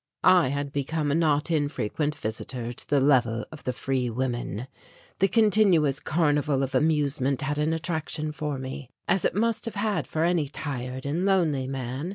I had become a not infrequent visitor to the Level of the Free Women. The continuous carnival of amusement had an attraction for me, as it must have had for any tired and lonely man.